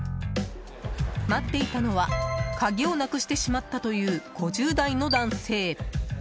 待っていたのは鍵をなくしてしまったという５０代の男性。